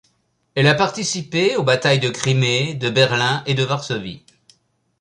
Elle a participé aux batailles de Crimée, de Berlin et de Varsovie.